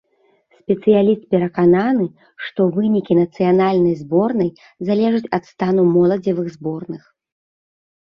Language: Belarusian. Спецыяліст перакананы, што вынікі нацыянальнай зборнай залежаць ад стану моладзевых зборных.